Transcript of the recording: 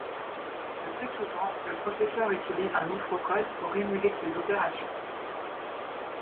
Le plus souvent, le processeur utilise un microcode pour émuler ces opérations.